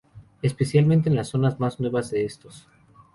Especialmente en las zonas mas nuevas de estos.